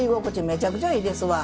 めちゃくちゃいいですわ。